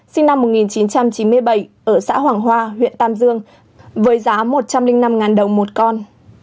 sinh năm một nghìn chín trăm chín mươi bảy ở xã hoàng hoa huyện tam dương với giá một trăm linh năm đồng một con